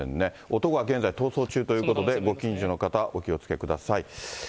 男は現在逃走中ということで、ご近所の方、お気をつけください。